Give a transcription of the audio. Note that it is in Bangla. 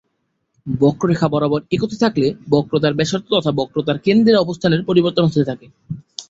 বক্ররেখা বরাবর এগোতে থাকলে বক্রতার ব্যাসার্ধ তথা বক্রতার কেন্দ্রের অবস্থানের পরিবর্তন হতে থাকে।